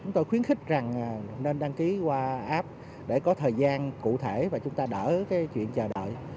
chúng tôi khuyến khích rằng nên đăng ký qua app để có thời gian cụ thể và chúng ta đỡ cái chuyện chờ đợi